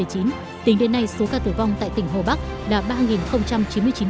tính đến nay số ca tử vong tại tỉnh hồ bắc là ba chín mươi chín ca